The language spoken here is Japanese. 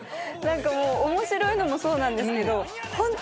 面白いのもそうなんですけど。